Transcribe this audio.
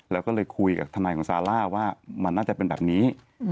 แล้วก็เลยคุยกับทนายของซาร่าว่ามันน่าจะเป็นแบบนี้